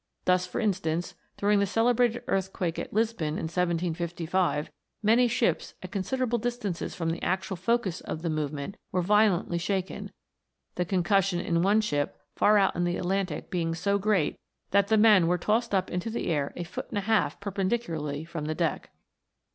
Thus, for instance, during the celebrated earthquake at Lisbon, in 1755, many ships at considerable distances from the actual focus of the movement, were violently shaken, the con cussion in one ship far out in the Atlantic being so great, that the men were tossed up into the air a foot and a half perpendicularly from the deck.